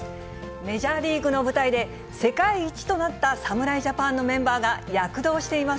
メジャーリーグの舞台で、世界一となった侍ジャパンのメンバーが、躍動しています。